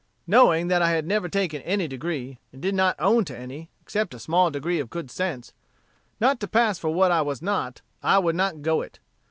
Knowing that I had never taken any degree, and did not own to any except a small degree of good sense not to pass for what I was not I would not go it.